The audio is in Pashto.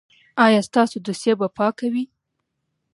ایا ستاسو دوسیه به پاکه وي؟